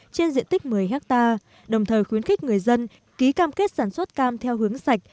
trên diện tích một mươi hectare đồng thời khuyến khích người dân ký cam kết sản xuất cam theo hướng sạch